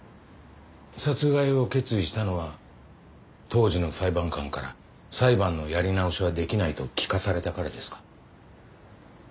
殺害を決意したのは当時の裁判官から裁判のやり直しはできないと聞かされたからですか？